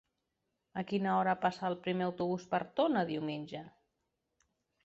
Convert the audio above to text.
A quina hora passa el primer autobús per Tona diumenge?